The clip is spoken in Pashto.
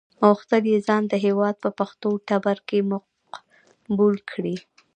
غوښتل یې ځان د هېواد په پښتون ټبر کې مقبول کړي.